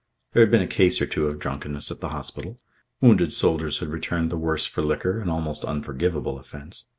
There had been a case or two of drunkenness at the hospital. Wounded soldiers had returned the worse for liquor, an almost unforgivable offence....